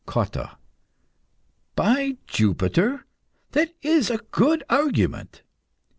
COTTA. By Jupiter? that is a good argument.